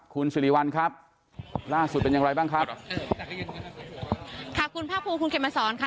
คุณสิริวัลครับล่าสุดเป็นอย่างไรบ้างครับค่ะคุณภาคภูมิคุณเข็มมาสอนค่ะ